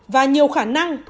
và nhiều khả năng